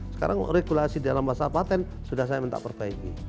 sekarang regulasi dalam masa patent sudah saya minta perbaiki